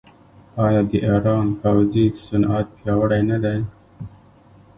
آیا د ایران پوځي صنعت پیاوړی نه دی؟